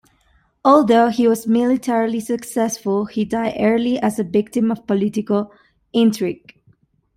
Although he was militarily successful, he died early as a victim of political intrigue.